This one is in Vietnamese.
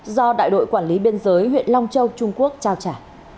do đại đội quản lý biên giới huyện long châu trung quốc trao trả